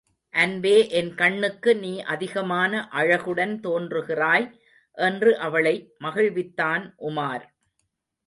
அன்பே என் கண்ணுக்கு நீ அதிகமான அழகுடன் தோன்றுகிறாய்! என்று அவளை மகிழ்வித்தான் உமார்.